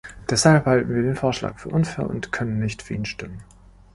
Deshalb halten wir den Vorschlag für unfair und können nicht für ihn stimmen.